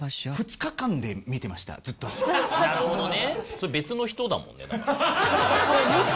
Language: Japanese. なるほどね！